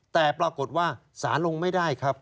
แต่ปรากฏว่าสารลงไม่ได้ครับ